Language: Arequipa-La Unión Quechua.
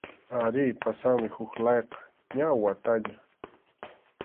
Arí, pasanmi huk layqa, ña wataña.